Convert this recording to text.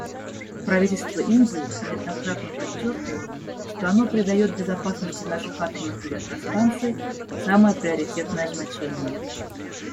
Правительство Индии неоднократно подчеркивало, что оно придает безопасности наших атомных электростанций самое приоритетное значение.